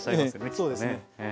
ええそうですね。